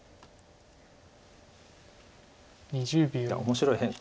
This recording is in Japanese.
面白い。